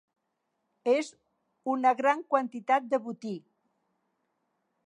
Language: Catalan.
És una gran quantitat de botí.